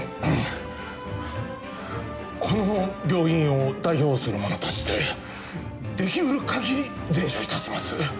この病院を代表する者としてできうるかぎり善処いたします。